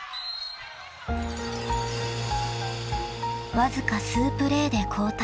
［わずか数プレーで交代］